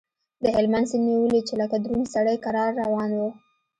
د هلمند سيند مې وليد چې لکه دروند سړى کرار روان و.